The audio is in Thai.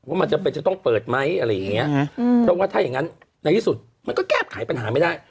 อืมเพราะว่าถ้าอย่างงั้นในที่สุดมันก็แก้ปขายปัญหาไม่ได้